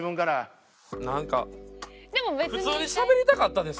なんか普通にしゃべりたかったです。